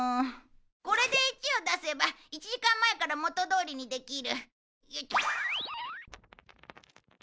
これで１を出せば１時間前から元どおりにできる。